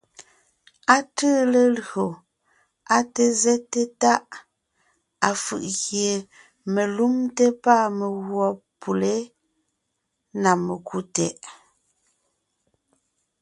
Á tʉʉ lelÿò, á té zɛ́te Táʼ, afʉ̀ʼ gie melúmte pâ meguɔ pʉlé (na mekú) tɛʼ.